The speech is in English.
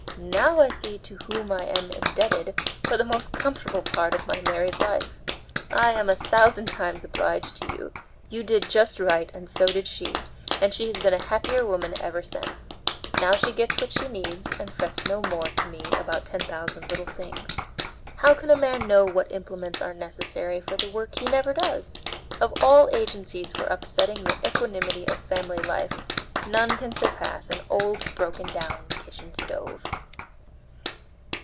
Now I see to whom I am indebted for the most comfortable part of my married life. I am a thousand times obliged to you; you did just right and so did she, and she has been a happier woman ever since. She now gets what she needs, and frets no more, to me, about ten thousand little things. How can a man know what implements are necessary for the work he never does? Of all agencies for upsetting the equanimity of family life, none can surpass an old, broken down kitchen stove!"